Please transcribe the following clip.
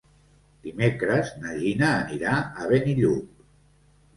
Dimecres na Gina anirà a Benillup.